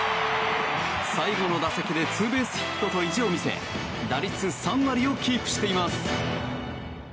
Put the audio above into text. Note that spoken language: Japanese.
最後の打席でツーベースヒットと意地を見せ打率３割をキープしています。